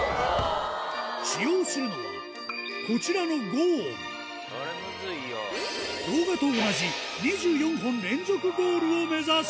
使用するのはこちらの５音動画と同じ２４本連続ゴールを目指す